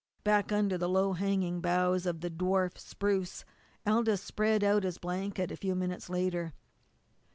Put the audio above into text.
Back under the low hanging boughs of the dwarf spruce Aldous spread out his blanket a few minutes later.